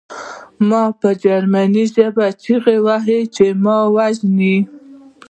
ما په جرمني ژبه چیغې وهلې چې ما ووژنه